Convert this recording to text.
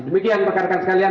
demikian mekan mekan sekalian